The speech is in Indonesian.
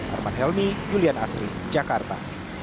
arman helmi julian asri jakarta